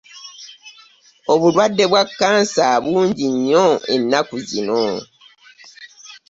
Obulwadde bwa kansa bungi nnyo ennaku zino.